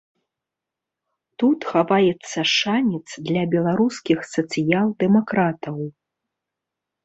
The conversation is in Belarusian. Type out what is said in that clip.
Тут хаваецца шанец для беларускіх сацыял-дэмакратаў.